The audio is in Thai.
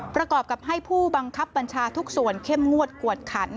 ประกอบกับให้ผู้บังคับบัญชาทุกส่วนเข้มงวดกวดขัน